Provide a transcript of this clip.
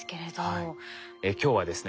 今日はですね